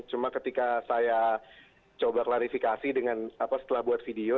cuma ketika saya coba klarifikasi dengan setelah buat video